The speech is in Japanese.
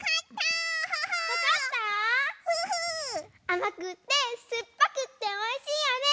あまくってすっぱくっておいしいよね！